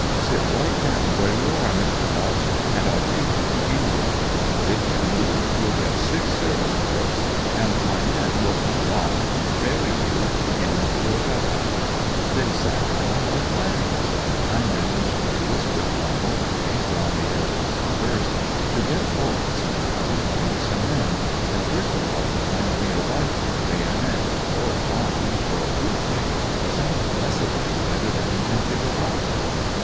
Sit right down where you are, Mister Boche, and I'll take you to England, but if you move you'll get six Service bullets, and my men will come along and bury you in your dug out.' i i I i ! J f^p ' Don't shoot,' he said in English. Mf ! I I I m Hill nil M J A COOL CANADIAN 1T8 " They sat down like lambs. I managed to whisper to my orderly, round the edge of the traverse, to get forward somehow and bring some men, and first of all to find me a ifle and bayonet, or a bomb, or a toothpick, or some blessed thing better than an empty revolver.